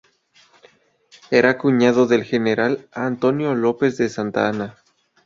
Era cuñado del general Antonio López de Santa Anna.